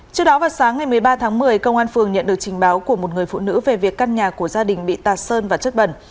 trước đó vào sáng ngày một mươi ba tháng một mươi công an phường nhận được trình báo của một người phụ nữ về việc căn nhà của gia đình bị tạt sơn và chất bẩn